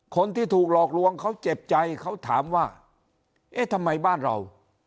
คนที่ถูกหลอกลวงเขาเจ็บใจเขาถามว่าเอ๊ะทำไมบ้านเรา